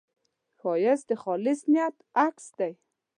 ښایست د خالص نیت عکس دی